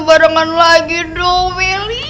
barengan lagi dong meli